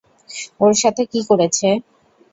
ওর সাথে কী করেছে?